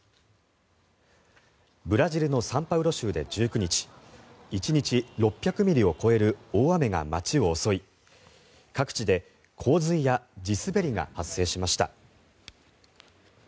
ブラジルのサンパウロ州で１９日１日６００ミリを超える大雨が街を襲い、各地で洪水や地滑りが発生しました。